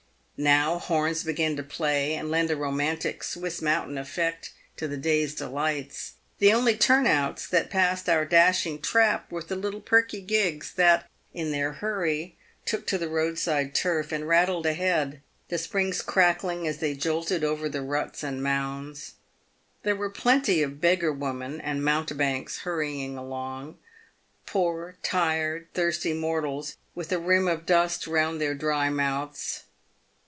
Now horns begin to play, and lend a romantic, Swiss mountain effect to the day's delights. The only turn outs that passed our dashing trap were the little perky gigs, that, in their hurry, took to the roadside turf, and rattled ahead, the springs crackling as they jolted over the ruts and mounds. There were plenty of beggar women and mountebanks hurrying along — poor, tired, thirsty mortals, with a rim of dust round their dry mouths.